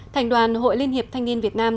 thành đoàn hội liên hiệp thanh niên việt nam